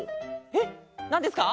えっなんですか？